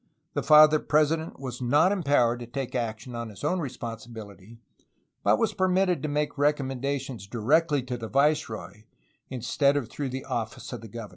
The Father President was not empowered to take action on his own responsibility, but was permitted to make recommendations directly to the viceroy, instead of through the office of the governor.